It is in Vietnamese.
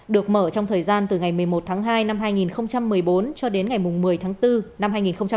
được mở trong thời gian từ ngày một mươi một tháng hai năm hai nghìn một mươi bốn cho đến ngày một mươi tháng bốn năm hai nghìn một mươi chín